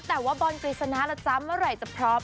แต่ว่าบอลกฤษณะล่ะจ๊ะเมื่อไหร่จะพร้อม